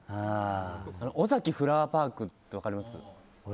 オザキフラワーパークって分かります？